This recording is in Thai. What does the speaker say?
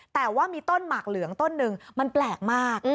แต่ว่ามีต้นหมากเหลืองต้นหนึ่งมันแปลกมาก